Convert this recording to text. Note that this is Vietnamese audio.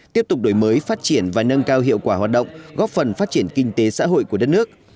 tiếp tục đổi mới phát triển và nâng cao hiệu quả hoạt động góp phần phát triển kinh tế xã hội của đất nước